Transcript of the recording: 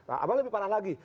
apa lebih parah lagi